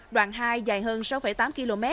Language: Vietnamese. đoạn hai dài hơn sáu tám km